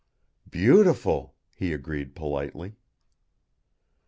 "Beautiful," he agreed politely.